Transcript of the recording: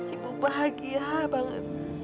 ibu bahagia banget